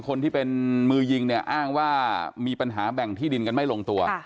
คนที่เป็นมือยิงเนี่ยอ้างว่ามีปัญหาแบ่งที่ดินกันไม่ลงตัว